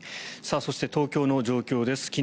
そして、東京の状況です。